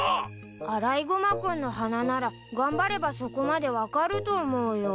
アライグマ君の鼻なら頑張ればそこまで分かると思うよ。